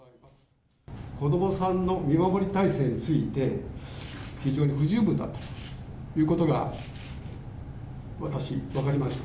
子どもさんの見守り体制について、非常に不十分だったということが私、分かりました。